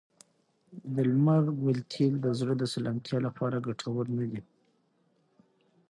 د لمر ګل تېل د زړه د سلامتیا لپاره ګټور نه دي.